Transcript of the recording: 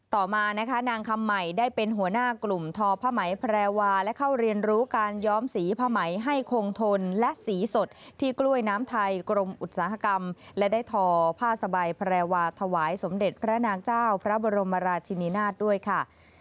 ต่อมานะคะนางคำใหม่ได้เป็นหัวหน้ากลุ่มทอผ้าไหมแพรวาและเข้าเรียนรู้การย้อมสีผ้าไหมให้คงทนและสีสดที่กล้วยน้ำไทยกรมอุตสาหกรรมและได้ทอผ้าสบายแพรวาถวายสมเด็จพระนางเจ้าพระบรมราชินินาศด้วยค่ะ